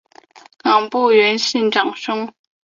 冈部元信长兄。